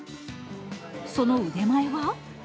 その腕前は？